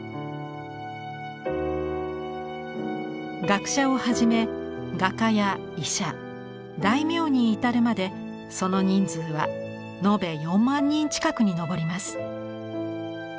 学者をはじめ画家や医者大名に至るまでその人数は延べ４万人近くに上ります。